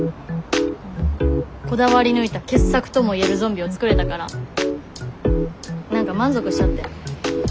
こだわり抜いた傑作とも言えるゾンビを作れたから何か満足しちゃって。